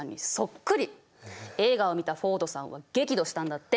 映画を見たフォードさんは激怒したんだって。